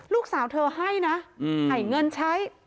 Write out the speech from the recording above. ลูกสาวเธอให้นะให้เงินใช้